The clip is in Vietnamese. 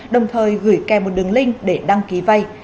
đồng thời gửi kèm một đường link để đăng ký vay